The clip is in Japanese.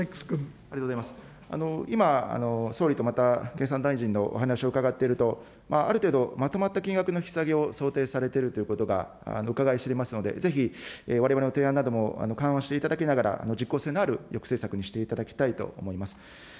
今、総理とまた経産大臣のお話を伺っていると、ある程度まとまった金額の引き下げを想定されているということがうかがい知れますので、ぜひ、われわれの提案なども勘案していただきながら、実効性のある抑制策にしていただきたいと思います。